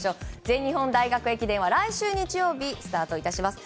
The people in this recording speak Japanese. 全日本大学駅伝は来週日曜日スタートいたします。